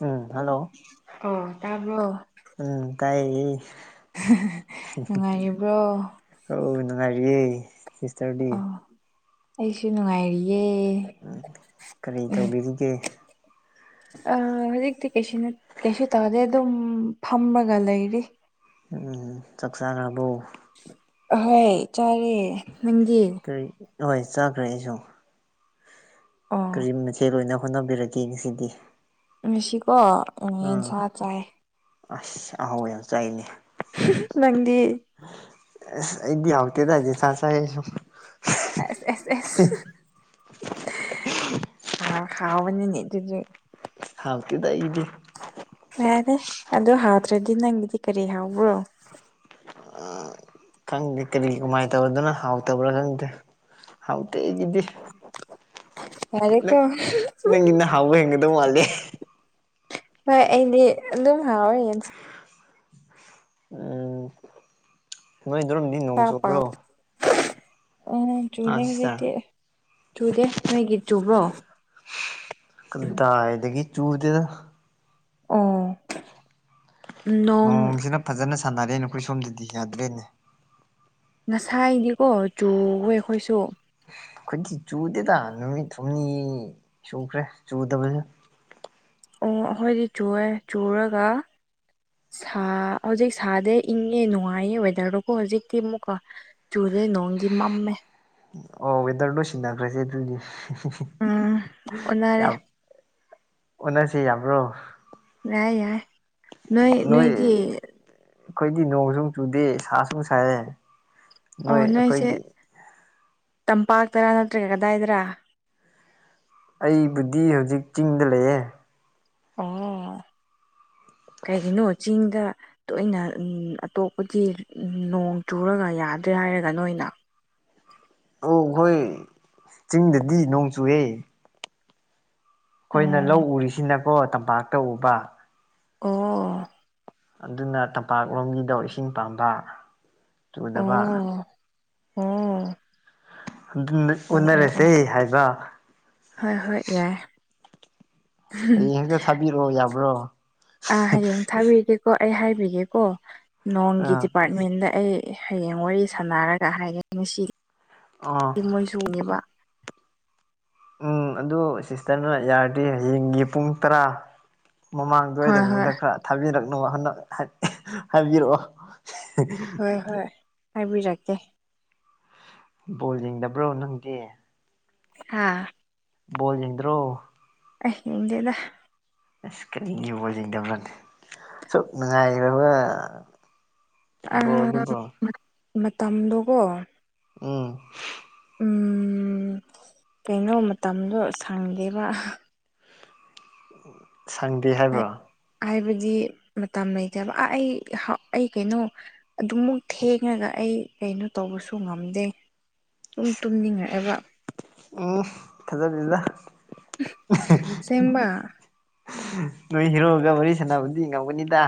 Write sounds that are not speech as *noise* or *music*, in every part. ꯎꯝ hello ꯑꯣ ꯇꯥꯕꯔꯣ ꯎꯝ ꯇꯥꯏꯌꯦ ꯅꯨꯡꯉꯥꯏꯔꯤꯕ꯭ꯔꯣ ꯑꯧ ꯅꯨꯡꯉꯥꯏꯔꯤꯌꯦ ꯁꯤꯁꯇꯔꯗꯤ ꯑꯥ ꯑꯩꯁꯨ ꯅꯨꯡꯉꯥꯏꯔꯤꯌꯦ ꯎꯝ ꯀꯔꯤ ꯎꯝ ꯇꯧꯕꯤꯔꯤꯒꯦ ꯍꯧꯖꯤꯛꯇꯤ ꯀꯩꯁꯨ ꯀꯩꯁꯨ ꯇꯧꯗꯦ ꯑꯗꯨꯝ ꯐꯝꯃꯒ ꯂꯩꯔꯤ ꯎꯝ ꯆꯥꯛꯆꯥꯥꯔꯥꯕꯣ ꯑꯍꯣꯏ ꯆꯥꯔꯦ ꯅꯪꯗꯤ ꯀꯔꯤ ꯍꯣꯏ ꯆꯥꯈ꯭ꯔꯦ ꯑꯩꯁꯨ ꯑꯣ ꯀꯔꯤ ꯃꯊꯦꯜ ꯑꯣꯏꯅ ꯍꯣꯠꯅꯕꯤꯔꯒꯦ ꯉꯁꯤꯗꯤ ꯉꯁꯤꯀꯣ ꯑꯥ ꯌꯦꯟꯁꯥ ꯆꯥꯏꯌꯦ ꯑꯁ ꯑꯍꯥꯎꯕ ꯌꯥꯝ ꯆꯥꯏꯅꯦ ꯅꯪꯗꯤ ꯑꯁ ꯑꯩꯗꯤ ꯍꯥꯎꯇꯦꯗ ꯌꯦꯟꯁꯥ ꯆꯥꯏꯌꯦ ꯑꯩꯁꯨ ꯑꯁ ꯑꯁ ꯍꯥꯎꯕꯅꯤꯅꯦ ꯑꯗꯨꯗꯤ ꯍꯥꯎꯇꯦꯗ ꯑꯩꯗꯤ ꯌꯥꯔꯦ ꯑꯗꯣ ꯍꯥꯎꯗ꯭ꯔꯗꯤ ꯅꯪꯒꯤꯗꯤ ꯀꯔꯤ ꯍꯥꯎꯕ꯭ꯔꯣ ꯈꯪꯗꯦ ꯀꯔꯤ ꯀꯃꯥꯏꯅ ꯇꯧꯗꯅ ꯍꯥꯎꯇꯕ꯭ꯔꯥ ꯈꯪꯗꯦ ꯍꯥꯎꯇꯦ ꯑꯩꯒꯤꯗꯤ ꯌꯥꯔꯦꯀꯣ ꯅꯪ ꯅꯪꯒꯤꯅ ꯍꯥꯎꯕ ꯍꯦꯟꯒꯗꯧ ꯃꯥꯜꯂꯦ ꯍꯣꯏ ꯑꯩꯗꯤ ꯑꯗꯨꯝ ꯍꯥꯎꯏ ꯌꯦꯟꯁꯥ ꯎꯝ ꯅꯣꯏ ꯑꯗꯣꯝꯗꯤ ꯅꯣꯡ ꯆꯨꯕ꯭ꯔꯣ ꯑꯣ ꯆꯨꯗꯦ ꯑꯥ ꯍꯧꯖꯤꯛꯇꯤ ꯁꯤꯁꯇꯔ ꯆꯨꯗꯦ ꯅꯣꯏꯒꯤ ꯆꯨꯕ꯭ꯔꯣ ꯀꯗꯥꯏꯗꯒꯤ ꯆꯨꯗꯦꯗ ꯑꯣ ꯅꯣꯡ ꯅꯣꯡꯁꯤꯅ ꯐꯖꯅ ꯁꯥꯟꯅꯔꯦꯅꯦ ꯑꯩꯈꯣꯏ ꯁꯣꯝꯗꯗꯤ ꯌꯥꯗ꯭ꯔꯦꯅꯦ ꯉꯁꯥꯏꯗꯤꯀꯣ ꯆꯨꯏꯌꯦ ꯑꯩꯈꯣꯏꯁꯨ ꯑꯩꯏꯈꯣꯏꯗꯤ ꯆꯨꯗꯦꯗ ꯅꯨꯃꯤꯠ ꯍꯨꯝꯅꯤ ꯁꯨꯈ꯭ꯔꯦ ꯆꯨꯗꯕꯁꯨ ꯑꯣ ꯑꯩꯈꯣꯏꯗꯤ ꯆꯦꯏꯌꯦ ꯆꯨꯔꯒ ꯁꯥ ꯍꯧꯖꯤꯛ ꯁꯥꯗꯦ ꯏꯪꯉꯦ ꯅꯨꯡꯉꯥꯏꯌꯦ ꯋꯦꯗꯔꯗꯨꯀꯨ ꯍꯧꯖꯤꯛꯇꯤ ꯑꯃꯨꯛꯀ ꯆꯨꯨꯗꯦ ꯅꯣꯡꯗꯤ ꯃꯝꯃꯦ ꯑꯣ ꯋꯦꯗꯔꯗꯣ ꯁꯤꯟꯅꯈ꯭ꯔꯁꯦ ꯑꯗꯨꯗꯤ ꯎꯝ ꯑꯣꯟꯅꯔꯦ ꯌꯥꯝ ꯑꯣꯟꯅꯁꯦ ꯌꯥꯕꯔꯣ ꯌꯥꯏ ꯌꯥꯏ ꯅꯣꯏ ꯑꯩꯈꯣꯏꯗꯤ ꯅꯣꯡꯁꯨ ꯆꯨꯗꯦ ꯁꯥ ꯁꯨ ꯁꯥꯏꯔꯦ ꯑꯣ ꯅꯣꯏꯁꯦ ꯇꯝꯄꯥꯛꯇꯔꯥ ꯅꯠꯇ꯭ꯔꯒ ꯀꯗꯥꯏꯗꯔꯥ ꯑꯩꯕꯨꯗꯤ ꯍꯧꯖꯤꯛ ꯆꯤꯡꯗ ꯂꯩꯌꯦ ꯑꯣ ꯀꯩꯒꯤꯅꯣ ꯆꯤꯡꯗ ꯇꯣꯏꯅ ꯎꯝ ꯑꯇꯣꯞꯄꯒꯤ ꯅꯣꯡ ꯆꯨꯔꯒ ꯌꯥꯗ꯭ꯔꯦ ꯍꯥꯏꯔꯒꯅ ꯅꫭꯏꯅ ꯑꯣ ꯑꯈꯣꯏ ꯆꯤꯡꯗꯗꯤ ꯅꯣꯡ ꯆꯨꯏꯌꯦ ꯑꯈꯣꯏꯅ ꯂꯧ ꯑꯣ ꯎꯔꯤꯁꯤꯅꯀꯣ ꯇꯝꯄꯥꯛꯇ ꯎꯕ ꯑꫭ ꯑꯗꯨꯅ ꯇꯝꯄꯥꯛꯂꯣꯝꯒꯤꯗꫭ ꯏꯁꯤꯡ ꯄꯥꯝꯕ ꯆꯨꯗꯕ ꯑꫭ ꯑꫭ ꯑꯗꯨꯅ ꯑꯣꯟꯅꯔꯁꯦ ꯍꯥꯏꯕ ꯍꯣꯏ ꯍꯣꯏ ꯌꯥꯏ ꯍꯌꯦꯡ ꯍꯦꯛꯇ ꯊꯥꯕꯤꯔꯛꯑꯣ ꯌꯥꯕ꯭ꯔꯣ ꯑ ꯍꯌꯦꯡ ꯊꯥꯕꯤꯒꯦꯀꯣ ꯑꯩ ꯍꯥꯏꯕꯤꯒꯦꯀꯣ ꯅꯣꯡꯒꯤ ꯑꯥ ꯗꯤꯄꯥꯠ ꯃꯦꯟꯗ ꯑꯩ ꯍꯌꯦꯡ ꯋꯥꯔꯤ ꯁꯥꯟꯅꯔꯒ ꯍꯥꯏꯒꯦ ꯉꯁꯤ ꯑꯥ ꯃꯣꯏ ꯇꯣꯡꯉꯤꯕ *inaudible* ꯎꯝ ꯑꯗꯨ ꯁꯤꯁꯇꯔꯅ ꯌꯥꯔꯗꯤ ꯍꯌꯦꯡꯒꯤ ꯄꯨꯡ ꯇꯔꯥ ꯍꯣꯏ ꯍꯣꯏ ꯃꯃꯥꯡꯗꯋꯥꯏꯗꯒꯨꯝꯕꯗ ꯈꯔ ꯊꯥꯕꯤꯔꯛꯅꯕ ꯍꯥꯟꯅ ꯍꯥꯏꯕꯤꯔꯛꯑꯣ ꯍꯣꯏ ꯍꯣꯏ ꯍꯥꯏꯕꯤꯔꯛꯀꯦ ꯕꯣꯜ ꯌꯦꯡꯗꯕ꯭ꯔꯣ ꯅꯪꯗꯤ ꯍꯥꯥ ꯕꫭꯜ ꯌꯦꯡꯗ꯭ꯔꯣ ꯑꯩ ꯉꯦꯡꯗꯦꯗ ꯑꯁ ꯀꯔꯤꯒꯤ ꯕꫭꯜ ꯌꯦꯡꯗꯕ ꯑꯁꯨꯛ ꯅꯨꯡꯉꯥꯏꯈ꯭ꯔꯕ ꯑ ꯑꯥ ꯕꯣꯜꯗꯨꯕꯣ ꯃꯇꯝꯗꯣꯀꯣ ꯎꯝ ꯎꯝ ꯀꯩꯅꯣ ꯃꯇꯝꯗꯣ ꯁꯥꯡꯗꯦꯕ ꯁꯪꯗꯦ ꯍꯥꯏꯕ꯭ꯔꯣ ꯍꯥꯏꯕꯗꯤ ꯃꯇꯝ ꯂꯩꯇꯦꯕ ꯑꯥ ꯑꯩ ꯑꯩ ꯀꯩꯅꯣ ꯑꯗꯨꯃꯨꯛ ꯊꯦꯡꯉꯒ ꯑꯩ ꯀꯩꯅꯣ ꯇꯧꯕꯁꯨ ꯉꯝꯗꯦ ꯑꯗꯨꯝ ꯇꯨꯝꯅꯤꯡꯉꯛꯑꯦꯕ ꯎꯝ ꯊꯥꯖꯗꯦꯗ ꯑꯁꯦꯡꯕ ꯅꯣꯏ ꯍꯦꯔꫭꯒ ꯋꯥꯔꯤ ꯁꯥꯟꯅꯕꯗꯤ ꯉꯝꯒꯅꯤꯗ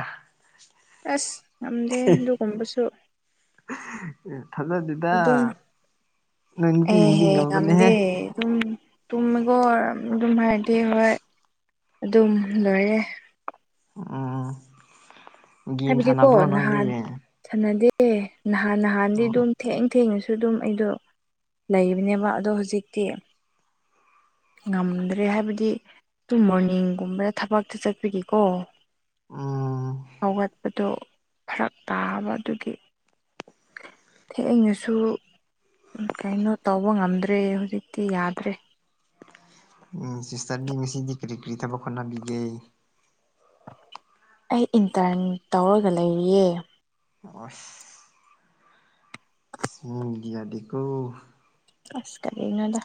ꯑꯁ ꯉꯝꯗꯦ ꯑꯗꯨꯒꯨꯝꯕꯁꯨ ꯑꯦ ꯊꯥꯖꯗꯦ ꯑꯗꯨꯝ ꯅꯨꯄꯤꯁꯤꯡꯗꯤ ꯑꯦꯍꯦ ꯉꯝꯕꯅꯦꯍꯦ ꯉꯝꯗꯦ ꯑꯗꯨꯝ ꯇꯨꯝꯃꯦꯀꫭ ꯑꯗꯨꯝ ꯍꯥꯏꯔꯗꯤ ꯍꯣꯏ ꯑꯗꯨꯝ ꯂꯣꯏꯔꯦ ꯎꯝ ꯒꯦꯝ ꯍꯥꯏꯕꯗꯤꯀꯣ ꯁꯥꯟꯅꯕ꯭ꯔꯣ ꯅꯪꯗꯤ ꯅꯍꯥꯟ ꯁꯥꯟꯅꯗꯦ ꯅꯍꯥꯟ ꯅꯍꯥꯟꯗꯤ ꯎꯝ ꯑꯗꯨꯝ ꯊꯦꯡ ꯊꯦꯡꯅꯁꯨ ꯑꯗꯨꯝ ꯑꯩꯗꯣ ꯂꯩꯕꯅꯦꯕ ꯑꯗꯣ ꯍꯧꯖꯤꯛꯇꯤ ꯉꯝꯗ꯭ꯔꯦ ꯍꯥꯏꯕꯗꯤ ꯇꯨ ꯃꯣꯔꯅꯤꯡꯒꯨꯝꯕꯗ ꯊꯕꯛꯁꯨ ꯆꯠꯄꯒꯤꯀꯣ ꯎꯝ ꯍꯧꯒꯠꯄꯗꯣ ꯐꯥꯔꯛ ꯇꯥꯕ ꯑꯗꯨꯒꯤ ꯊꯦꯡꯅꯁꯨ ꯀꯩꯅꯣ ꯇꯧꯕ ꯉꯝꯗ꯭ꯔꯦ ꯍꯧꯖꯤꯛꯇꯤ ꯌꯥꯗ꯭ꯔꯦ ꯎꯝ ꯁꯤꯁꯇꯔꯗꯤ ꯉꯁꯤꯗꯤ ꯀꯔꯤ ꯀꯔꯤ ꯊꯕꯛ ꯍꯣꯠꯅꯕꯤꯒꯦ ꯑꯩ ꯏꯟꯇ꯭ꯔꯟ ꯇꯧꯔꯒ ꯂꯩꯔꯤꯌꯦ ꯑꫭꯁ ꯃꯤꯗꯤ ꯌꯥꯗꯦꯀꫭ ꯑꯁ ꯀꯔꯤꯅꫭꯗ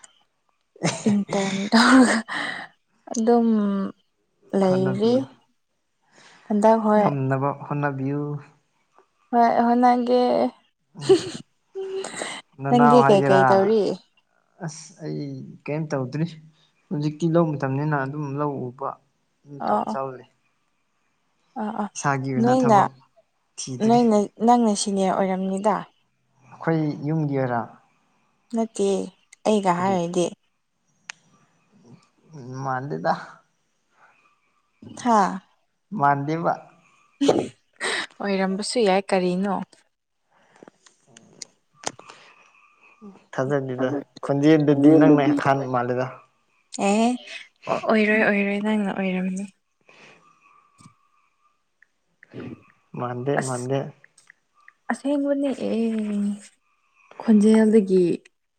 ꯏꯟꯇ꯭ꯔꯟ ꯇꯧꯔꯒ ꯑꯗꯨꯝ ꯂꯩꯔꯤ ꯍꯣꯠꯅꯕꯤꯌꯨ ꯍꯟꯗꯛ ꯍꯣꯏ ꯍꫭꯠꯅꯕꯤꯌꯨ ꯍꯣꯏ ꯍꫭꯠꯅꯒꯦ ꯅꯅꯥꯎ ꯅꯪꯗꯤ ꯀꯩ ꯍꯥꯏꯒꯦꯔꯥ ꯀꯩ ꯇꯧꯔꯤ ꯑꯁ ꯑꯩ ꯀꯩꯝ ꯇꯧꯗ꯭ꯔꯤ ꯍꯧꯖꯤꯛꯇꯤ ꯂꯧ ꯃꯇꯝꯅꯤꯅ ꯑꯗꯨꯝ ꯂꯧ ꯎꯕ ꯑꯣ ꯑꯣ *unintelligible* ꯑꯥ ꯑꯥ ꯏꯁꯥꯒꯤ ꯑꯣꯏꯅ ꯅꯣꯏꯅ ꯊꯕꯛ ꯊꯤꯗ꯭ꯔꯤ ꯅꯣꯏꯅ ꯅꯪꯅ ꯁꯤꯅꯤꯌꯔ ꯑꯣꯏꯔꯝꯅꯤꯗ ꯑꯩꯈꯣꯏ ꯌꯨꯝꯒꯤꯔ ꯅꯠꯇꯦ ꯑꯩꯒ ꯀꯔꯤ ꯍꯥꯏꯔꯗꯤ ꯃꯥꯟꯗꯦꯗ ꯍꯥꯥ ꯃꯥꯟꯗꯦꯕ ꯑꯣꯏꯔꯝꯕꯁꯨ ꯌꯥꯏ ꯀꯔꯤꯅꯣ *unintelligible* ꯊꯥꯖꯗꯦꯗ ꯈꯣꯟꯖꯦꯟꯗꯨꯗꯤ ꯅꯪꯅ ꯑꯍꯥꯟ ꯃꯥꯜꯂꯦꯗ ꯑꯦ ꯑꯣ ꯑꯣꯏꯔꯣꯏ ꯑꯣꯏꯔꯣꯏ ꯅꯪꯅ ꯑꯣꯏꯔꯝꯅꯤ *unintelligible* *inaudible* *inaudible* *unintelligible* ꯃꯥꯟꯗꯦ ꯑꯁ ꯃꯥꯟꯗꯦ ꯑꯁꯦꯡꯕꯅꯦ ꯑꯦ ꯈꯣꯟꯖꯦꯜꯗꯒꯤ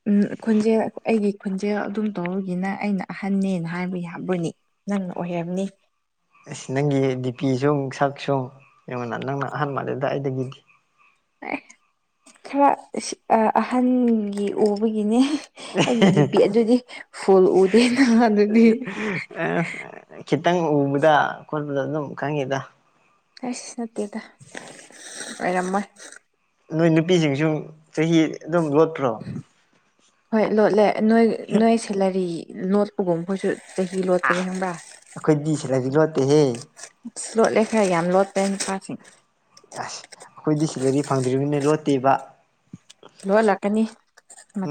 ꯎꯝ ꯈꯣꯟꯖꯦꯜ ꯑꯩꯒꯤ ꯈꯣꯟꯖꯦꯜ ꯑꯗꯨꯝ ꯇꯧꯔꯒꯤꯅ ꯑꯩꯅ ꯑꯍꯟꯅꯅ ꯍꯥꯏꯕ ꯌꯥꯕꯅꯤ ꯅꯪ ꯑꯣꯏꯝꯅꯤ ꯑꯁ ꯅꯪꯒꯤ ꯗꯤꯄꯤ ꯁꯨ ꯁꯛ ꯁꯨ ꯑꯩꯡꯉꯣꯟꯗꯒꯤ ꯅꯪꯅ ꯑꯍꯥꯟꯕ ꯑꯗꯨꯗ ꯑꯩꯗꯒꯤꯗꯤ ꯈꯔ ꯑꯍꯟꯒꯤ ꯎꯕꯒꯤꯅꯦ ꯑꯩꯒꯤ ꯗꯤꯄꯤ ꯑꯗꯨꯗꯤ ꯐꯨꯜ ꯎꯗꯦ ꯅꯍꯥꯟ ꯑꯗꯨꯅꯤ ꯈꯤꯇꯪ ꯎꯕꯗ ꯈꯣꯠꯄꯗ ꯑꯗꯨꯝ ꯈꯪꯉꯤꯗ ꯑꯩꯁ ꯅꯠꯇꯦꯗ ꯑꯣꯏꯔꯝꯃꯣꯏ ꯅꯣꯏ ꯅꯨꯄꯤꯁꯤꯡꯁꯨ ꯆꯍꯤ ꯑꯗꯨꯝ ꯂꯣꯠꯇ꯭ꯔꯣ ꯍꯣꯏ ꯂꯣꯠꯂꯦ ꯅꯣꯏ ꯅꯣꯏ ꯁꯦꯂꯔꯤ ꯅꯣꯠꯄꯒꯨꯝꯕꯁꯨ ꯑ ꯑꯩꯈꯣꯏ ꯁꯤꯔꯗꯤ ꯂꯣꯠꯇꯦꯍꯦ ꯂꯣꯠꯂꯦ ꯈꯔ ꯌꯥꯝ ꯂꯣꯠꯄꯩ ꯅꯨꯄꯥꯁꯤꯡ ꯑꯁ ꯑꯩꯈꯣꯏꯗꯤ ꯁꯦꯂꯔꯤ ꯐꯪꯗ꯭ꯔꯤꯕꯉꯅꯤꯅ ꯂꯣꯠꯇꯦꯕ ꯂꯣ ꯂꯥꯛꯀꯅꯤ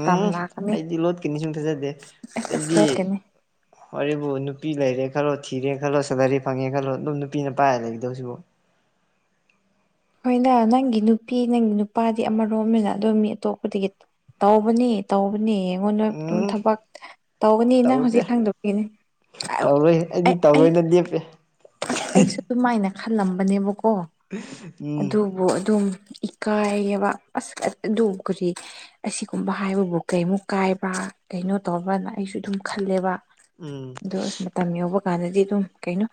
ꯎꯝ ꯑꯩꯗꯤ ꯂꯣꯠꯀꯅꯤ ꯁꯨꯝ ꯊꯥꯖꯗꯦ ꯑꯁ ꯑꯁ ꯑꯩꯗꯤ ꯂꯣꯠꯀꯅꯤ ꯋꯥꯔꯤꯕꯨ ꯅꯨꯄꯤ ꯂꯩꯔꯦ ꯈꯜꯂꯣ ꯊꯤꯔꯦ ꯈꯜꯂꯣ ꯁꯦꯂꯔꯤ ꯐꯪꯉꯦ ꯈꯜꯂꯣ ꯑꯗꯨꯝ ꯅꯨꯄꯤꯅ ꯄꯥꯏꯔꯒ ꯂꯩꯒꯗꯧꯁꯤꯕꯨ ꯑꯩꯣꯏꯅ ꯅꯪꯒꯤ ꯅꯨꯄꯤ ꯅꯪꯒꯤ ꯅꯨꯄꯥꯗꯤ ꯑꯃꯔꯣꯝꯅꯤꯅ ꯑꯗꯣ ꯃꯤ ꯑꯇꯣꯞꯄꯗꯒꯤ ꯇꯧꯕꯅꯤ ꯇꯧꯕꯅꯤ ꯑꯩꯉꯣꯟꯗ ꯑꯗꯨꯝ ꯎꯝ ꯊꯕꯛ ꯇꯧꯅꯤ ꯅꯪ ꯇꯧꯗꯦ ꯍꯧꯖꯤꯛ ꯈꯪꯗꯕꯒꯤꯅꯤ ꯑꯩ ꯗꯤ ꯄꯦ *unintelligible* ꯑꯩꯁꯨ ꯑꯗꯨꯃꯥꯏꯅ ꯈꯜꯂꯝꯕꯅꯦꯕꯀꯣ ꯎꯝ ꯕꯨ ꯑꯗꯨꯝ ꯏꯀꯥꯏꯕ ꯑꯁ ꯑꯗꯨꯝ ꯀꯔꯤ ꯑꯁꯤꯒꯨꯝꯕ ꯍꯥꯏꯕꯕꯨ ꯀꯩꯃꯨꯛ ꯀꯥꯏꯕ ꯀꯩꯅꯣ ꯇꯧꯕ꯭ꯔꯅ ꯑꯩꯁꯨ ꯑꯗꯨꯝ ꯈꯜꯂꯦꯕ ꯎꯝ ꯑꯗꯣ ꯑꯁ ꯃꯇꯝ ꯌꯧꯕ ꯀꯥꯟꯗꯗꯤ ꯑꯗꯨꯝ ꯀꯩꯅꯣ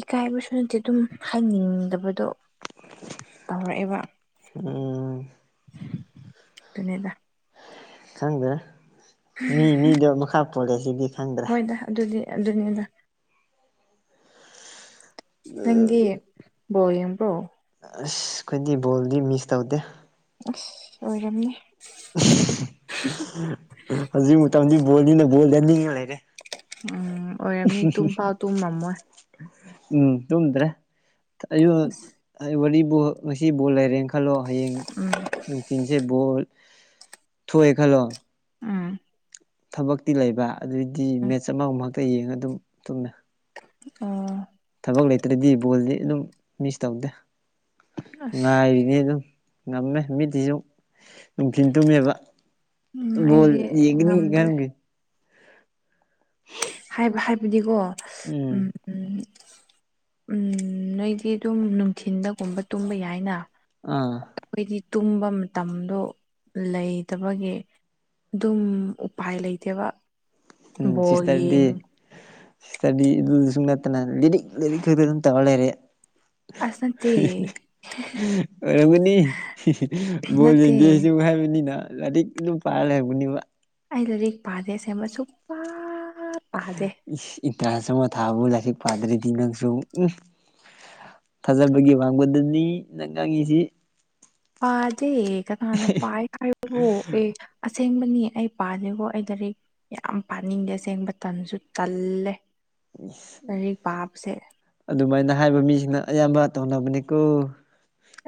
ꯏꯀꯥꯏꯕꯁꯨ ꯅꯠꯇꯦ ꯑꯗꯨꯝ ꯍꯥꯏꯅꯤꯡꯗꯕꯗꯣ ꯇꯧꯔꯛꯑꯦꯕ ꯎꯝ ꯑꯗꯨꯅꯦꯗ ꯈꯪꯗ꯭ꯔꯦ ꯃꯤ ꯃꯤꯗꯣ ꯃꯈꯥ ꯄꯣꯜꯂꯦ ꯁꯤꯗꯤ ꯈꯪꯗ꯭ꯔꯦ ꯍꯣꯏꯗ ꯑꯗꯨꯗꯤ ꯑꯗꯨꯅꯤꯗ ꯅꯪꯗꯤ ꯕꯣꯜ ꯌꯦꯡꯄꯔꯣ ꯑꯁ ꯑꯩꯈꯣꯏꯗꯤ ꯕꯣꯜꯗꯤ ꯃꯤꯁ ꯇꯧꯗꯦ ꯑꯁ ꯑꯣꯏꯔꯝꯅꯦ ꯏꯁ ꯍꯧꯖꯤꯛ ꯃꯇꯝꯗꯤ ꯕꯣꯜꯅꯤꯅ ꯕꯣꯜꯗꯅꯤꯡꯉ ꯂꯩꯔꯦ ꯎꯝ ꯑꯣꯏꯔꯝꯅꯤ ꯇꯨꯝ ꯄꯥꯎ ꯇꯨꯝꯃꯝꯃꯣꯏ ꯎꯝ ꯇꯨꯝꯗ꯭ꯔꯦ ꯑ ꯍꯥꯏꯕꯗꯤ ꯕꯣꯜ ꯉꯁꯤ ꯕꯣꯜ ꯂꯩꯔꯦ ꯈꯥ ꯈꯜꯂꯣ ꯍꯌꯦꯡ ꯅꯨꯡꯊꯤꯟꯁꯦ ꯕꯣꯜ ꯊꯣꯛꯑꯦ ꯈꯜꯂꯣ ꯎꯝ ꯊꯕꯛꯇꯤ ꯂꯩꯕ ꯑꯗꯨꯏꯗꯤ ꯎꯝ ꯃꯦꯠꯆ ꯑꯃꯒꯨꯝꯕ ꯈꯥꯛꯇ ꯌꯦꯡꯉ ꯑꯗꯨꯝ ꯇꯨꯝꯃꯦ ꯑꯣ ꯊꯕꯛ ꯂꯩꯇ꯭ꯔꯗꯤ ꯕꯣꯜꯗꯤ ꯑꯗꯨꯝ ꯃꯤꯁ ꯇꯧꯗꯦ ꯑꯁ ꯉꯥꯏꯔꯤ ꯑꯅꯤ ꯑꯗꯨꯝ *unintelligible* ꯉꯝꯃꯦ ꯃꯤꯠꯇꯁꯨ ꯅꯨꯡꯊꯤꯟ ꯇꯨꯝꯃꯦꯕ ꯎꯝ ꯕꯣꯜ ꯑꯩꯗꯤ ꯌꯦꯒꯅꯤ ꯉꯝꯗ꯭ꯔꯦ ꯀꯦ *unintelligible* ꯍꯥꯏꯕ ꯍꯥꯏꯕꯗꯤꯀꯣ ꯎꯝ ꯎꯝ ꯎꯝ ꯅꯣꯏꯗꯤ ꯑꯗꯨꯝ ꯅꯨꯡꯊꯤꯟꯗꯒꯨꯝꯕ ꯇꯨꯝꯕ ꯌꯥꯏꯅ ꯑꯥ ꯑꯩꯈꯣꯏꯗꯤ ꯇꯨꯝꯕ ꯃꯇꯝꯗꯣ ꯂꯩꯇꯕꯒꯤ ꯑꯗꯨꯝ ꯎꯄꯥꯏ ꯂꯩꯇꯦꯕ ꯎꯝ ꯕꯣꯜ ꯁꯤꯁꯇꯔꯗꯤ ꯌꯦꯡ ꯁꯤꯁꯇꯔꯗꯤ ꯑꯗꯨ ꯁꯨꯡ ꯅꯠꯇꯅ ꯂꯩꯔꯤꯛ ꯂꯩꯔꯤꯛ ꯇꯗ ꯑꯗꯨꯝ ꯇꯧꯔꯥ ꯂꯩꯔꯦ ꯑꯁ ꯅꯠꯇꯦ ꯍꯦ ꯑꯣꯏꯔꯝꯒꯅꯤ ꯕꯣꯜ ꯅꯠꯇꯦ ꯌꯦꯡꯗꯦꯁꯨ ꯍꯥꯏꯕꯅꯤꯅ ꯂꯥꯏꯔꯤꯛ ꯑꯗꯨꯝ ꯄꯥꯔꯂꯩꯔꯝꯒꯅꯤꯕ ꯑꯩ ꯂꯥꯏꯔꯤꯛ ꯄꯥꯗꯦ ꯑꯁꯦꯡꯕ ꯁꯨꯛꯄ ꯏꯟꯇꯔꯥꯟꯁ ꯑꯃ ꯊꯥꯕꯨ ꯂꯥꯏꯔꯤꯛ ꯄꯥꯗ꯭ꯔꯗꯤ ꯅꯪꯁꯨ ꯎꯝ ꯊꯥꯖꯕꯒꯤ ꯋꯥꯡꯃꯗꯅꯤ ꯅꯪ ꯉꯥꯡꯉꯤꯁꯤ ꯄꯥꯗꯦ ꯀꯅꯅ ꯄꯥꯏ ꯍꯥꯏꯕꯣ ꯑꯦ ꯑꯁꯦꯡꯕꯅꯤ ꯑꯩ ꯄꯥꯥꯗꯦꯀꯣ ꯑꯩ ꯂꯥꯔꯤꯛ ꯌꯥꯝ ꯄꯥꯅꯤꯡꯗꯦ ꯑꯁꯦꯡ ꯇꯟꯁꯨ ꯇꯜꯂꯦ ꯂꯥꯏꯔꯤꯛ ꯄꯥꯕꯁꯦ ꯑꯗꯨꯃꯥꯏꯅ ꯍꯥꯏꯕ ꯃꯤꯁꯤꯡꯅ ꯑꯌꯥꯝꯕ ꯇꯧꯅꯕꯅꯤꯀꯣ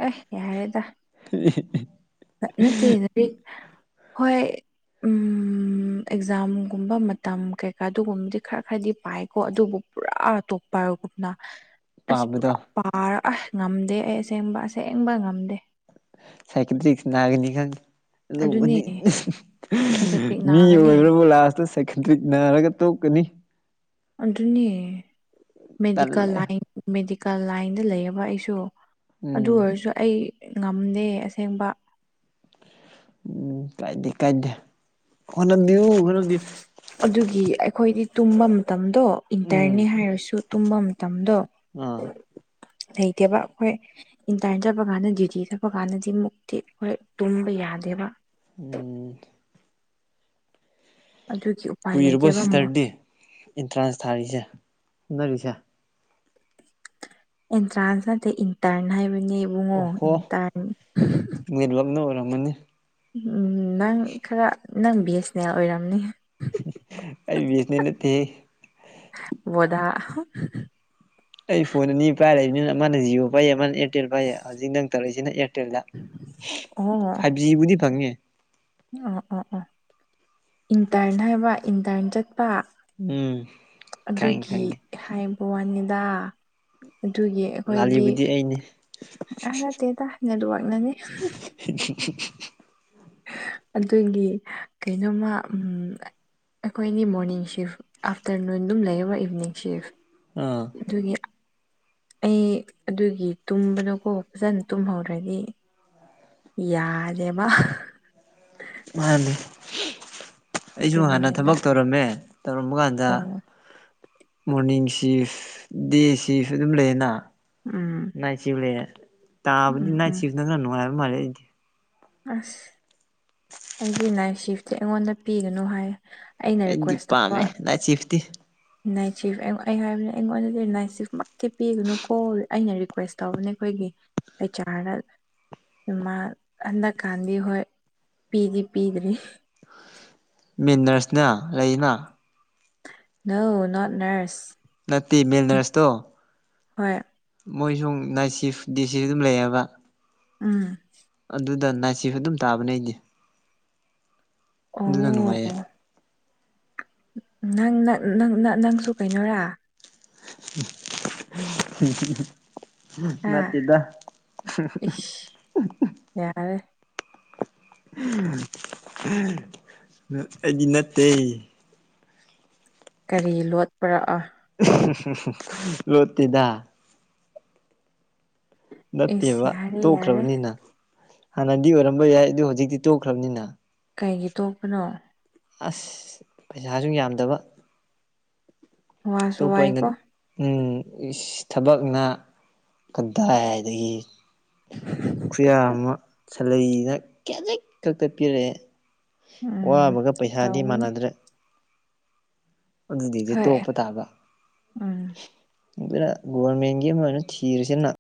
ꯑꯦ ꯌꯥꯔꯦꯗ *unintelligible* ꯅꯠꯇꯦ ꯂꯔꯤꯛ ꯍꯣꯏ ꯎꯝ ꯑꯦꯛꯖꯥꯝꯒꯨꯝꯕ ꯃꯇꯝ ꯀꯩꯀꯥ ꯑꯗꯨꯒꯨꯝꯕꯗꯤ ꯈꯔ ꯈꯔꯗꯤ ꯄꯥꯏꯀꯣ ꯑꯗꯨꯕꯨ ꯄꯨꯔꯥ ꯑ ꯗꯣꯞꯇꯔꯒꯨꯞꯅ ꯑꯁ ꯄꯥꯕꯗꯣ ꯄꯨꯔꯥ ꯄꯥꯔ ꯑꯁ ꯉꯝꯗꯦ ꯑꯩ ꯑꯁꯦꯡꯕ ꯑꯁꯦꯡꯕ ꯉꯝꯗꯦ ꯁꯥꯏꯀꯤꯇꯔꯤꯛꯁ ꯅꯥꯒꯅꯤ ꯈꯪꯉꯤ ꯑꯗꯨꯅꯦ ꯑꯗꯨꯒꯨꯝꯕꯅꯤ ꯁꯥꯏꯀꯦꯇ꯭ꯔꯤꯛ ꯃꯤ ꯅꯥꯒꯅꯤ ꯑꯣꯏꯕ꯭ꯔꯕꯨ ꯂꯥꯁꯇ ꯁꯥꯏꯀꯤꯇ꯭ꯔꯤꯛ ꯅꯥꯔꯒ ꯇꯣꯛꯀꯅꯤ ꯑꯗꯨꯅꯤ ꯃꯦꯗꯤꯀꯦꯜ ꯇꯜꯂꯦ ꯂꯥꯏꯟ ꯃꯦꯗꯤꯀꯦꯜ ꯂꯥꯏꯟꯗ ꯂꯩꯔꯕ ꯑꯩꯁꯨ ꯑꯗꯨ ꯎꯝ ꯑꯣꯏꯔꯁꯨ ꯑꯩ ꯉꯝꯗꯦ ꯑꯁꯦꯡꯕ ꯎꯝ ꯀꯥꯏꯗꯤ ꯀꯥꯏꯗ *unintelligible* ꯑꯗꯨꯒꯤ ꯑꯩꯈꯣꯏꯒꯤ ꯇꯨꯝꯕ ꯃꯇꯝꯗꯣ ꯎꯝ ꯏꯟꯇꯔꯟꯅꯤ ꯍꯥꯏꯔꯁꯨ ꯇꯨꯝꯕ ꯃꯇꯝꯗꯣ ꯑꯥ ꯂꯩꯇꯦꯕ ꯑꯩꯈꯣꯏ ꯏꯟꯇꯥꯔꯟ ꯆꯠꯄ ꯀꯥꯟꯗ ꯗ꯭ꯌꯨꯇꯤ ꯆꯠꯄ ꯀꯥꯟꯗꯗꯤ ꯃꯨꯛꯇꯤ ꯍꯣꯏ ꯇꯨꯝꯕ ꯌꯥꯗꯦꯕ ꯎꯝ ꯑꯗꯨꯀꯤ ꯎ ꯀꯨꯏꯔꯕ ꯁꯤꯁꯇꯔꯗꯤ ꯑꯦꯟꯇ꯭ꯔꯥꯟꯁ ꯊꯥꯔꯤꯁꯦ ꯍꯣꯠꯅꯔꯤꯁꯦ ꯑꯦꯟꯇ꯭ꯔꯥꯟꯁ ꯅꯠꯇꯦ ꯏꯟꯇꯔꯟ ꯍꯥꯏꯕꯅꯦꯕꯨꯡꯉꯣ ꯑꯣꯍꯣ ꯏꯟꯇꯔꯟ ꯅꯦꯠꯋꯥꯛꯅ ꯑꯣꯏꯔꯝꯃꯅꯤ ꯎꯝ ꯅꯪ ꯈꯔ ꯅꯪ ꯕꯤ ꯑꯦꯁ ꯅꯦꯜ ꯑꯣꯏꯔꯝꯅꯤ ꯑꯩ ꯕꯤ ꯑꯦꯁ ꯅꯦꯜ ꯅꯠꯇꯦ ꯑꯣꯗꯥ ꯑꯩ ꯐꯣꯟ ꯑꯅꯤ ꯄꯥꯏꯔꯂꯩꯕꯅꯤꯅ ꯃꯥꯅ ꯖꯤꯑꯣ ꯄꯥꯏꯌꯦ ꯃꯥꯅ ꯑꯦꯌꯥꯔꯇꯦꯜ ꯄꯥꯏꯌꯦ ꯍꯧꯖꯤꯛ ꯅꯪ ꯇꯧꯔꯛꯏꯁꯤꯅ ꯑꯦꯌꯔ ꯇꯦꯜꯗ ꯑꯣ ꯐꯥꯏꯚ ꯖꯤꯕꯨꯗꯤ ꯐꯪꯉꯦ ꯑꯣ ꯑꯣ ꯑꯣ ꯏꯟꯇꯔꯟ ꯍꯥꯏꯕ ꯏꯟꯇꯔꯟ ꯆꯠꯄ ꯎꯝ ꯈꯪꯉꯦ ꯑꯗꯨꯒꯤ ꯈꯪꯉꯦ ꯍꯥꯏꯕ ꯋꯥꯅꯤꯗ ꯑꯗꯨꯒꯤ ꯑꯩꯈꯣꯏꯒꯤ ꯂꯥꯜꯂꯤꯕꯨꯗꯤ ꯑꯩꯅꯤ ꯑꯥ ꯅꯠꯇꯦꯗ ꯅꯦꯠꯋꯥꯔꯛꯅꯅꯦ ꯍꯝꯝ *unintelligible* ꯑꯗꯨꯏꯗꯤ ꯀꯩꯅꯣꯝꯃ ꯎꯝ ꯑꯩꯈꯣꯏꯅꯤ ꯃꯣꯔꯅꯤꯡ ꯁꯤꯐ ꯑꯥꯐꯇꯔꯅꯨꯟ ꯑꯗꯨꯝ ꯂꯩꯌꯦꯕ ꯏꯚꯤꯅꯤꯡ ꯁꯤꯐ ꯑꯥ ꯑꯗꯨꯒꯤ ꯑꯩ ꯑꯗꯨꯒꯤ ꯇꯨꯝꯕꯗꯣꯀꯣ ꯐꯖꯅ ꯇꯨꯝꯍꯧꯗ꯭ꯔꯗꯤ ꯌꯥꯔꯦꯕ ꯃꯥꯅꯤ ꯑꯩꯁꯨ ꯍꯥꯟꯅ ꯑꯗꯨꯒꯤꯅꯤꯗ ꯊꯕꯛ ꯇꯧꯔꯝꯃꯦ ꯇꯧꯔꯝꯕ ꯀꯥꯟꯗ ꯑꯣ ꯃꯣꯔꯅꯤꯡ ꯁꯤꯐ ꯗꯦ ꯁꯤꯐ ꯑꯗꯨꯝ ꯂꯩꯌꯦꯅ ꯎꯝ ꯅꯥꯆꯤꯐꯂꯦ ꯇꯥꯕꯗꯤ ꯎꯝ ꯎꯝ ꯅꯥꯏꯆꯤꯐꯅ ꯈꯔ ꯅꯨꯡꯉꯥꯏꯕ ꯃꯥꯜꯂꯦ ꯑꯩꯗꯤ ꯑꯁ ꯑꯩꯗꯤ ꯅꯥꯏꯠ ꯁꯤꯐꯇꯤ ꯑꯩꯉꯣꯟꯗ ꯄꯤꯒꯅꯨ ꯍꯥꯏ ꯑꯩꯅ ꯑꯩꯗꯤ ꯔꯤꯀ꯭ꯋꯦꯁ ꯄꯥꯝꯃꯦ ꯇꯧꯕ ꯅꯥꯏꯠ ꯁꯤꯐꯇꯤ ꯅꯥꯏꯆꯤꯐ ꯑꯩ - ꯑꯩ ꯍꯥꯏꯕꯗꯤ ꯑꯩꯉꯣꯟꯗꯗꯤ ꯅꯥꯏꯆꯤꯐꯃꯛꯇꯤ ꯄꯤꯒꯅꯨꯀꯣ ꯑꯩꯅ ꯔꯤꯀ꯭ꯋꯦꯁ ꯇꯧꯕꯅꯦ ꯑꯩꯈꯣꯏꯒꯤ ꯍꯩꯆ ꯔ ꯗꯥ ꯃꯥ ꯍꯟꯗꯛꯀꯥꯟꯗꯤ ꯍꯣꯏ ꯄꯤꯗꯤ ꯄꯤꯗꯔꯤ ꯃꯦꯟꯅꯔꯁꯅ ꯂꯩꯅ ꯅꯣ ꯅꯣꯠ ꯅꯔꯁ ꯅꯠꯇꯦ ꯃꯦꯜ ꯅꯔꯁꯇꯣ ꯍꯣꯏ ꯃꯣꯏꯁꯨ ꯅꯥꯏꯠ ꯁꯤꯐꯗꯤ ꯁꯤꯗꯁꯨꯝ ꯂꯩꯌꯦꯕ ꯎꯝ ꯑꯗꯨꯗ ꯅꯥꯏꯠ ꯁꯤꯐ ꯑꯗꯨꯝ ꯇꯥꯕꯅꯦ ꯑꯩꯗꯤ ꯑꯗꯨꯅ ꯑꯣ ꯅꯨꯡꯉꯥꯏꯌꯦ ꯅꯪ -ꯅ -ꯅꯪꯅ -ꯅꯪꯁꯨ ꯀꯩꯅꯣꯔꯥ *unintelligible* ꯑꯥ ꯅꯠꯇꯦꯗ ꯏꯁ ꯌꯥꯔꯦ *unintelligible* ꯑꯩꯗꯤ ꯅꯠꯇꯦ ꯀꯔꯤ ꯂꯣꯠꯄ꯭ꯔꯥ ꯑꯥ *unintelligible* ꯂꯣꯠꯇꯦꯗ ꯏꯁ ꯅꯠꯇꯦꯕ ꯌꯥꯔꯦ ꯌꯥꯔꯦ ꯇꯣꯛꯈ꯭ꯔꯕꯅꯤꯅ ꯍꯥꯟꯅꯗꯤ ꯑꯣꯏꯔꯝꯕ ꯌꯥꯏ ꯑꯗꯨ ꯍꯧꯖꯤꯛꯇꯤ ꯇꯣꯛꯈ꯭ꯔꯕꯅꯤꯅ ꯀꯩꯒꯤ ꯇꯣꯛꯄꯅꯣ ꯑꯁ ꯄꯩꯁꯥꯁꯨ ꯌꯥꯝꯗꯕ ꯋꯥꯁꯨ ꯑꯇꯣꯞꯄ ꯑꯣꯏꯅ ꯋꯥꯏꯀꯣ ꯎ ꯑꯁ ꯊꯕꯛꯅ ꯀꯗꯥꯏꯗꯒꯤ ꯈꯨꯌꯥ ꯑꯃ ꯁꯥꯂꯩꯅ ꯈꯦꯖꯤꯛ ꯈꯛꯇ ꯄꯤꯔꯛꯑꯦ ꯎꯝ ꯋꯥꯕꯒ ꯄꯩꯁꯥꯗꯤ ꯇꯧꯕꯅꯤ ꯃꯥꯟꯅꯗ꯭ꯔꯦ ꯑꯗꯨꯗꯤꯗꯤ ꯍꯣꯏ ꯇꯣꯛꯄ ꯇꯥꯕ ꯎꯝ ꯑꯗꯨꯅ ꯒꯣꯕꯔꯃꯦꯟꯒꯤ ꯑꯃ ꯑꯣꯏꯅ ꯊꯤꯔꯤꯁꯦꯅ